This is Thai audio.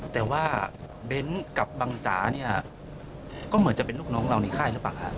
แต่ว่าเบ้นกับบังจ๋าเนี่ยก็เหมือนจะเป็นลูกน้องเราในค่ายหรือเปล่าฮะ